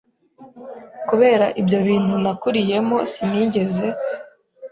Kubera ibyo bintu nakuriyemo sinigeze